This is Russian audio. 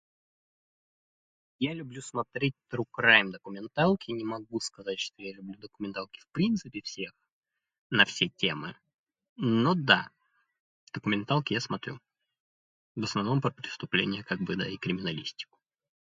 Я люблю смотреть тру-крайм документалки и не могу сказать, что я люблю документалки в принципе все.. на все темы, но да, документалки я смотрю, в основном про преступления как бы да и криминалистику